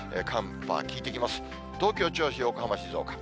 東京、銚子、横浜、静岡。